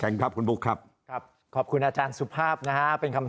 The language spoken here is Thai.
ครับคุณบุ๊คครับครับขอบคุณอาจารย์สุภาพนะฮะเป็นคำ